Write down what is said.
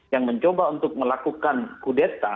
yang mencoba untuk melakukan kudeta